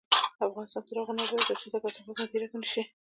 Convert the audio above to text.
افغانستان تر هغو نه ابادیږي، ترڅو د کثافاتو مدیریت ونشي.